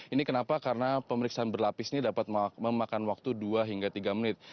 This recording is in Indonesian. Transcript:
ini kenapa karena pemeriksaan berlapis ini dapat memakan waktu dua hingga tiga menit